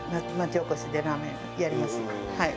はい。